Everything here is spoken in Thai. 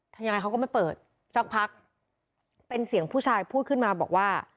ยังไงเขาก็ไม่เปิดสักพักเป็นเสียงผู้ชายพูดขึ้นมาบอกว่า